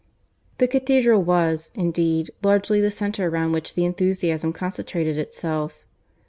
The cathedral was, indeed, largely, the centre round which the enthusiasm concentrated itself.